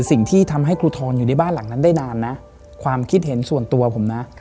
สิ่งที่ทำให้ครูทรอยู่ในบ้านหลังนั้นได้นานนะความคิดเห็นส่วนตัวผมนะ